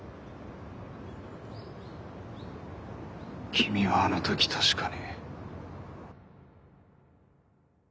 君はあの時確かに。